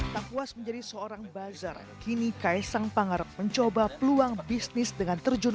tak puas menjadi seorang bazar kini kaisang pangarep mencoba peluang bisnis dengan terjun